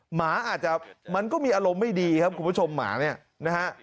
หมาอาจจะมันก็มีอารมณ์ไม่ดีครับคุณผู้ชมหมาเนี่ยนะฮะ